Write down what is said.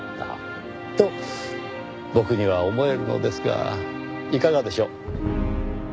と僕には思えるのですがいかがでしょう？